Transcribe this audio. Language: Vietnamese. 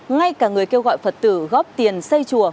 ngay cả người kêu gọi phật tử góp tiền xây chùa